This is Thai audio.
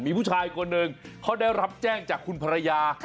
มีผู้ชายคนหนึ่งเขาได้รับแจ้งจากคุณภรรยา